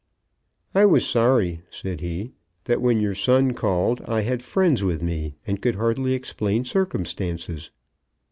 "I was sorry," said he, "that when your son called, I had friends with me, and could hardly explain circumstances."